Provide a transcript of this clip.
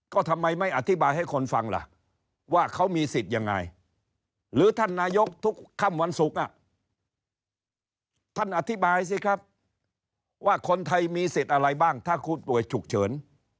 ก็ทำไมไม่อธิบายให้คนฟังล่ะว่าเขามีสิทธิ์ยังไงหรือท่านนายกทุกค่ำวันศุกร์ท่านอธิบายสิครับว่าคนไทยมีสิทธิ์อะไรบ้างถ้าคุณป่วยฉุกเฉิน